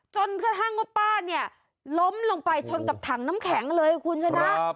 จนกระทั่งว่าป้าเนี่ยล้มลงไปชนกับถังน้ำแข็งเลยคุณชนะ